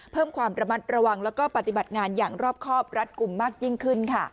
เพิ่มความระมัดระวังแล้วก็ปฏิบัติงานอย่างรอบครอบรัดกลุ่มมากยิ่งขึ้นค่ะ